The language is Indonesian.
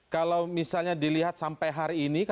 kalau misalnya dilihat sampai hari ini